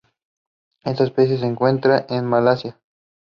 One of the indefinite campaigns was as follows.